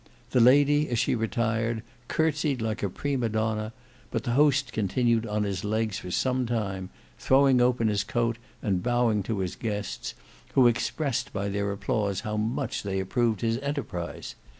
The lady as she retired curtseyed like a Prima Donna; but the host continued on his legs for some time, throwing open his coat and bowing to his guests, who expressed by their applause how much they approved his enterprise.